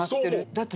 だって